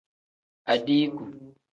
Adiiku.